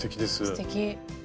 すてき！